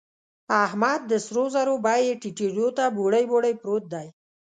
احمد د سرو زرو بيې ټيټېدو ته بوړۍ بوړۍ پروت دی.